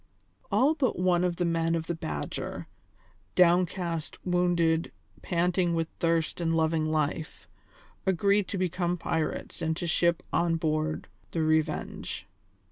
All but one of the men of the Badger, downcast, wounded, panting with thirst and loving life, agreed to become pirates and to ship on board the Revenge.